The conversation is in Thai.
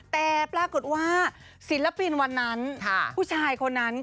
แต่ปรากฏว่าศิลปินวันนั้นผู้ชายคนนั้น